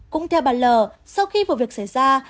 cũng theo bà l sau khi vụ việc xảy ra